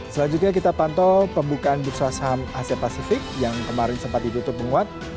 selanjutnya kita pantau pembukaan bursa saham asia pasifik yang kemarin sempat ditutup menguat